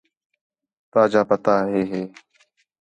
تا جا پتا ہے ہے؟